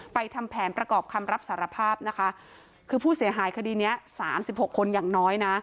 ทำแผนประกอบคำรับสารภาพนะคะคือผู้เสียหายคดีเนี้ยสามสิบหกคนอย่างน้อยนะ